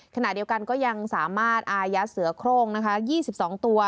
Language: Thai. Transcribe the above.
ขณะเดียวกันก็ยังสามารถอายัดเสือโครงนะคะ๒๒ตัว